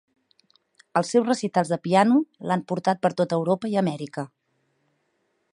Els seus recitals de piano l'han portat per tot Europa i Amèrica.